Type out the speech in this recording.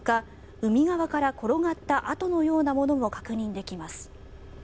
海側から転がった跡のようなものも確認できます。